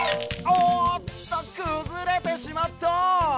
おおっとくずれてしまった！